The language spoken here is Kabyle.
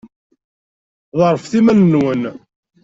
Ḍerrfet iman-nwen.